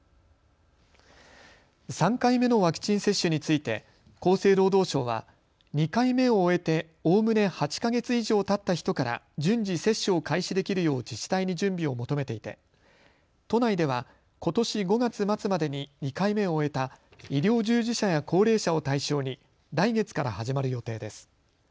３回目のワクチン接種について厚生労働省は２回目を終えておおむね８か月以上たった人から順次、接種を開始できるよう自治体に準備を求めていて都内では、ことし５月末までに２回目を終えた医療従事者や高齢者を対象に来月から始まる予定です。